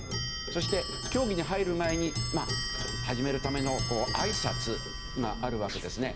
そして、協議に入る前に始めるためのあいさつがあるわけですね。